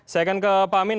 saya akan ke pak amin